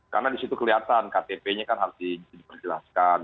karena di situ kelihatan ktp nya kan harus diperjelaskan